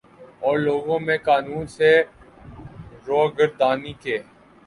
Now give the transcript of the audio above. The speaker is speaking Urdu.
اور لوگوں میں قانون سے روگردانی کے